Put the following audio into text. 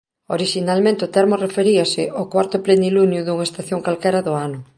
Orixinalmente o termo referíase ao cuarto plenilunio dunha estación calquera do ano.